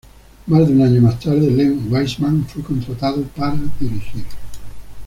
Más de un año más tarde Len Wiseman fue contratado para dirigir.